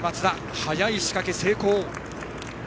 早い仕掛けが成功。